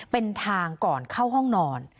เป็นทางก่อนเข้าห้องนอน